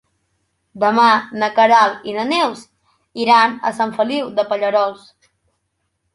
Demà na Queralt i na Neus iran a Sant Feliu de Pallerols.